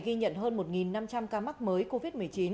ghi nhận hơn một năm trăm linh ca mắc mới covid một mươi chín